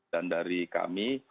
dan dari kami